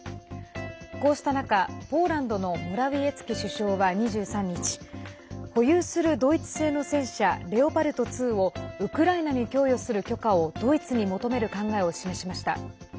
こうした中、ポーランドのモラウィエツキ首相は２３日保有するドイツ製の戦車レオパルト２をウクライナに供与する許可をドイツに求める考えを示しました。